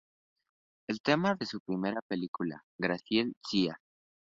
El tema de su primera película "Grazie Zia!